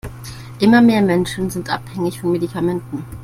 Immer mehr Menschen sind abhängig von Medikamenten.